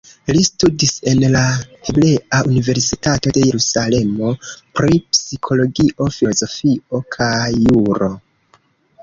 Li studis en la Hebrea Universitato de Jerusalemo pri psikologio, filozofio kaj juro.